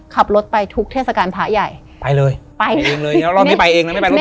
ขับรถไปทุกเทศกาลพระใหญ่ไปเลยไปไปเองเลยแล้วเราไม่ไปเองแล้ว